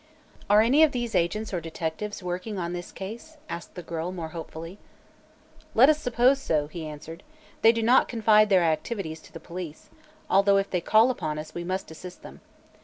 "Are any of these agents or detectives working on this case?" asked the girl, more hopefully. "Let us suppose so," he answered. "They do not confide their activities to the police, although if they call upon us, we must assist them.